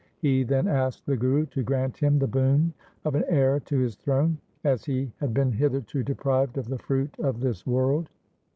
He then asked the Guru to grant him the boon of an heir to his throne, as he had been hitherto deprived of the fruit of this world.